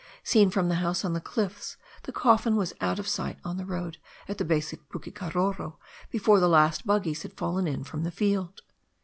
Seen from the house on the cliffs the coffin was out of sight on the road at the base of Pukekaroro before the last buggies had fallen in from the field.